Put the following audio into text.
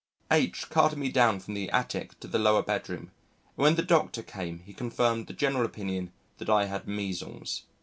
H carted me down from the Attic to the Lower Bedroom, and when the Dr. came he confirmed the general opinion that I had measles.